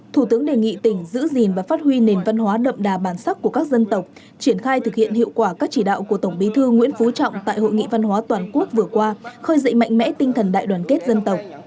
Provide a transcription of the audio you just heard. thủ tướng đề nghị tỉnh giữ gìn và phát huy nền văn hóa đậm đà bản sắc của các dân tộc triển khai thực hiện hiệu quả các chỉ đạo của tổng bí thư nguyễn phú trọng tại hội nghị văn hóa toàn quốc vừa qua khơi dậy mạnh mẽ tinh thần đại đoàn kết dân tộc